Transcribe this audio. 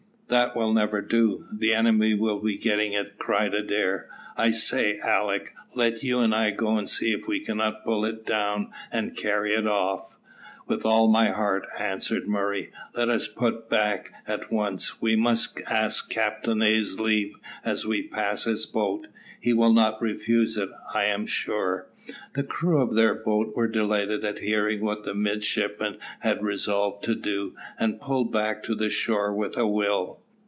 "That will never do, the enemy will be getting it," cried Adair. "I say, Alick, let you and I go and see if we cannot pull it down, and carry it off." "With all my heart," answered Murray. "Let us put back at once; we must ask Captain A 's leave as we pass his boat. He will not refuse it, I am sure." The crew of their boat were delighted at hearing what the midshipmen had resolved to do, and pulled back to the shore with a will.